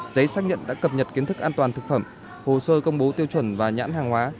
giấy xác nhận đã cập nhật kiến thức an toàn thực phẩm hồ sơ công bố tiêu chuẩn và nhãn hàng hóa